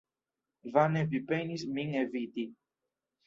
Vane vi penis min eviti!